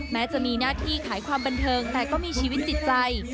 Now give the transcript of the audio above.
แม้จะมีหน้าที่ขายความบันเทิงแต่ก็มีชีวิตจิตใจ